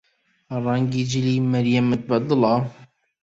ڕەنگی جلی مەریەمت بەدڵە؟